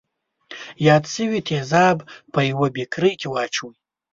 یاد شوي تیزاب په یوه بیکر کې واچوئ.